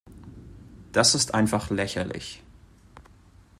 Das ist einfach lächerlich.